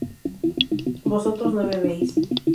vosotros no bebéis